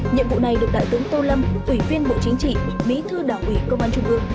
nhiệm vụ này được đại tướng tô lâm ủy viên bộ chính trị bí thư đảng ủy công an trung ương